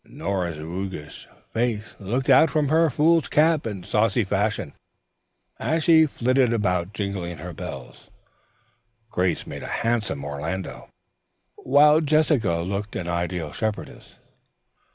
Nora's roguish face looked out from her fool's cap in saucy fashion as she flitted about jingling her bells. Grace made a handsome Orlando, while Jessica looked an ideal shepherdess.